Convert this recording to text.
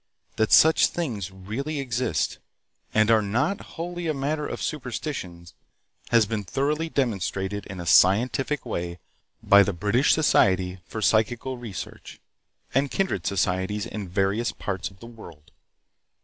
That such things really exist, and are not wholly a matter of superstition has been thoroughly demonstrated in a scientific way by the British Society for Psychical Research, and kindred societies in various parts of the world.